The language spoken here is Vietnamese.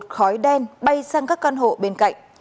lửa cháy đen bay sang các căn hộ bên cạnh